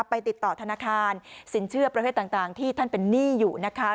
ไปติดต่อธนาคารสินเชื่อประเภทต่างที่ท่านเป็นหนี้อยู่นะคะ